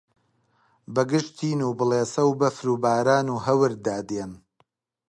بەگژ تین و بڵێسە و بەفر و باران و هەوردا دێن